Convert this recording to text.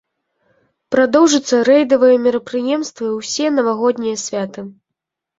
Прадоўжацца рэйдавыя мерапрыемствы ўсе навагоднія святы.